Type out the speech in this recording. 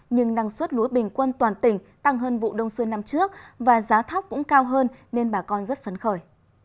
nhưng năng suất lúa bình quân toàn tỉnh tăng hơn vụ đông xuân năm trước và giá thóc cũng cao hơn nên bà con rất phấn khởi